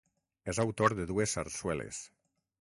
És autor de dues sarsueles.